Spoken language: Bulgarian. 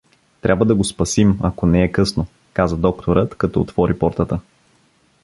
Трябва да го спасим, ако не е късно — каза докторът, като отвори портата.